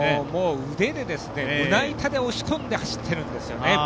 腕で胸板で押し込んで走っているんですよね。